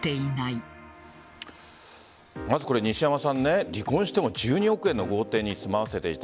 これ、まず西山さん離婚しても１２億円の豪邸に住まわせていた。